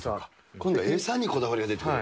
今度は餌にこだわりが出てくると。